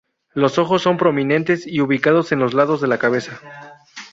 Los ojos son prominentes y ubicados en los lados de la cabeza.